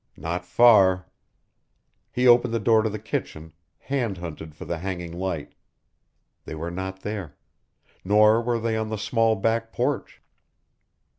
Not far. He opened the door to the kitchen, hand hunted for the hanging light. They were not there nor were they on the small back porch.